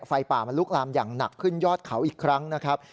ไฟป่ามันลุกลามอย่างหนักขึ้นยอดเขาอีกครั้งนะครับ